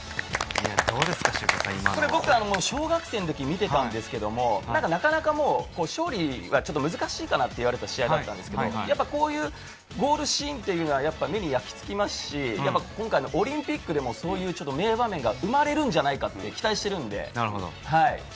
僕、小学生の時に見ていたんですけど、なかなか勝利に難しいかなって言われてた試合だったんですけど、こういうゴールシーンっていうのは目に焼きつきますし、今回のオリンピックでも名場面が生まれるんじゃないかって期待してるんで。